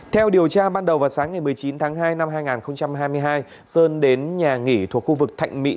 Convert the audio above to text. theo điều tra ban đầu vào sáng ngày một mươi chín tháng hai năm hai nghìn hai mươi hai sơn đến nhà nghỉ thuộc khu vực thạnh mỹ